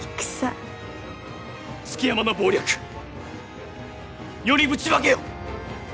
築山の謀略世にぶちまけよ！